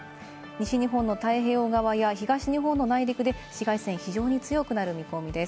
西日本の太平洋側や東日本の内陸で紫外線が非常に強くなる見込みです。